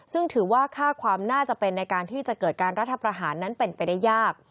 ซึ่งถือว่าค่าความน่าจะเป็นในการที่จะเกิดการรัฐประหารนั้นเป็นไปได้ยาก